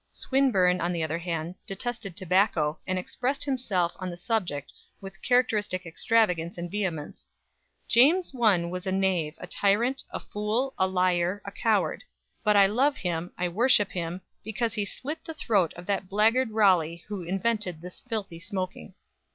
Swinburne, on the other hand, detested tobacco, and expressed himself on the subject with characteristic extravagance and vehemence "James I was a knave, a tyrant, a fool, a liar, a coward. But I love him, I worship him, because he slit the throat of that blackguard Raleigh who invented this filthy smoking!"